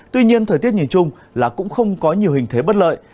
tuy nhiên thời tiết nhìn chung là cũng không có nhiều hình thế bất lợi